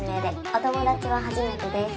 お友達は初めてです。